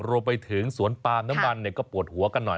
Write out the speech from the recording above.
รวมไปถึงสวนปาล์มน้ำมันก็ปวดหัวกันหน่อย